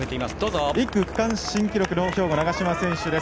１区、区間新記録の兵庫、長嶋選手です。